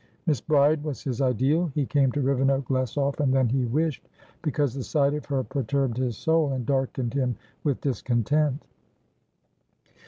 Miss Bride was his ideal. He came to Rivenoak less often than he wished, because the sight of her perturbed his soul and darkened him with discontent.